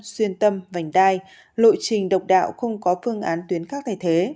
xuyên tâm vành đai lộ trình độc đạo không có phương án tuyến khác thay thế